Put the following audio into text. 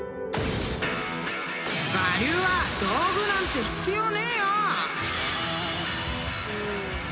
［我流は道具なんて必要ねえよ！］